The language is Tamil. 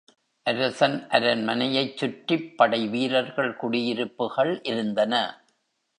அரசன் அரண்மனையைச் சுற்றிப் படை வீரர்கள் குடியிருப்புகள் இருந்தன.